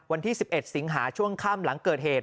วันที่๑๑สิงหาช่วงค่ำหลังเกิดเหตุ